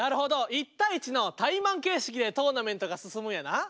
１対１のタイマン形式でトーナメントが進むんやな。